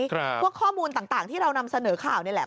พวกข้อมูลต่างที่เรานำเสนอข่าวนี่แหละ